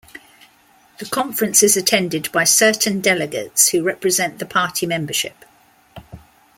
The conference is attended by certain delegates who represent the party membership.